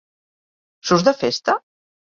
Surts de festa?